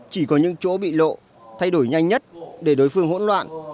chỉ có những chỗ bị lộ thay đổi nhanh nhất để đối phương hỗn loạn